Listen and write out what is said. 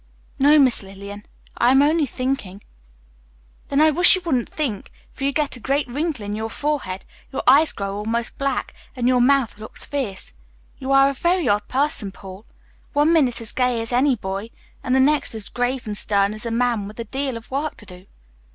"No, Miss Lillian. I'm only thinking." "Then I wish you wouldn't think, for you get a great wrinkle in your forehead, your eyes grow almost black, and your mouth looks fierce. You are a very odd person, Paul; one minute as gay as any boy, and the next as grave and stern as a man with a deal of work to do."